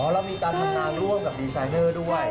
เรามีการทำงานร่วมกับดีไซเนอร์ด้วย